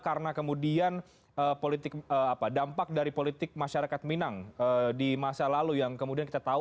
karena kemudian dampak dari politik masyarakat minang di masa lalu yang kemudian kita tahu